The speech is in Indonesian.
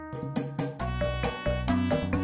ya nanti kasih tak akhirnya